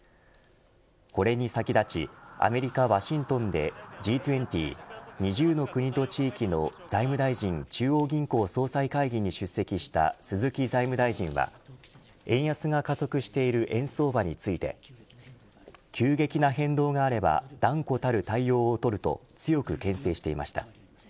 これに先立ちアメリカ、ワシントンでＧ２０、２０の国と地域の財務大臣・中央銀行総裁会議に出席した鈴木財務大臣は円安が加速している円相場について急激な変動があれば断固たる対応をとると強くけん制していました。